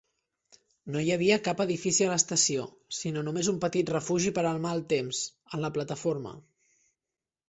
No hi havia cap edifici de l'estació, sinó només un petit refugi per al malt temps en la plataforma.